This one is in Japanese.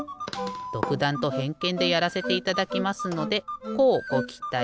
どくだんとへんけんでやらせていただきますのでこうごきたい。